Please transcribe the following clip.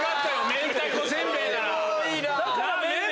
明太子せんべいなら。